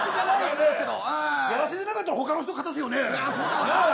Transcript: やらせじゃなかったら他の人、勝たせますよね。